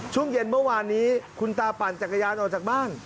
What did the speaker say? ช่วงเย็นเมื่อวานนี้คุณตาปั่นจักรยานออกจากบ้าน